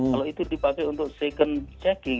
kalau itu dipakai untuk second checking